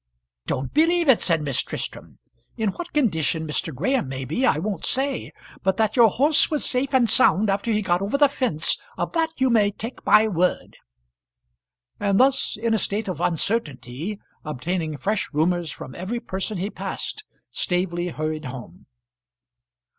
"Don't believe it," said Miss Tristram. "In what condition Mr. Graham may be I won't say; but that your horse was safe and sound after he got over the fence, of that you may take my word." And thus, in a state of uncertainty, obtaining fresh rumours from every person he passed, Staveley hurried home.